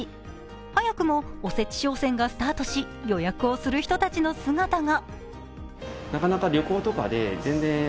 早くもおせち商戦がスタートし、予約をする人たちの姿が。